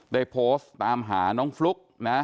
ได้โพสต์ตามหาน้องฟลุ๊กนะ